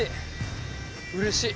うれしい。